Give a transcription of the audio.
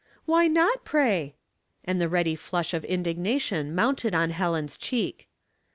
" Why not, pray ?" and the ready flush of indignation mounted on Helen's cheek.